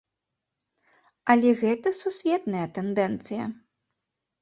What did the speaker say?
Але гэта сусветная тэндэнцыя.